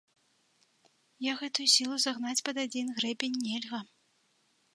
Я гэтую сілу загнаць пад адзін грэбень нельга.